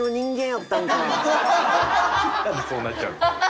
なんでそうなっちゃう？